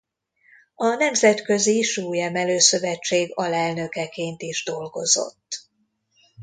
A Nemzetközi Súlyemelő-szövetség alelnökeként is dolgozott.